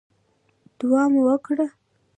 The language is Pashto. دعا مو وکړه.